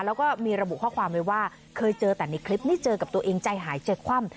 แล้วก็มีระบุข้อความไว้ว่าเคยเจอแต่ในคลิปนี้เจอกับตัวเองใจหายใจคว่ำ